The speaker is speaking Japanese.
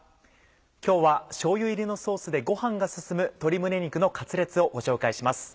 今日はしょうゆ入りのソースでごはんが進む「鶏胸肉のカツレツ」をご紹介します。